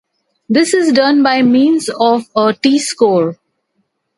This is done by means of a t-score.